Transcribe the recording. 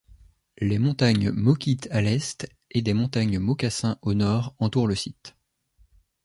Les montagnes Moquith à l'est et des montagnes Moccasin au nord entourent le site.